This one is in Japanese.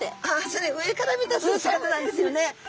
それ上から見た姿なんですよね。